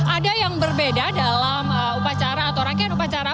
ada yang berbeda dalam upacara atau rangkaian upacara